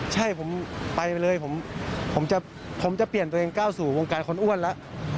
ใช่ผมไปเลยผมจะเปลี่ยนตัวเองก้าวสู่วงการคนอ้วนแล้ว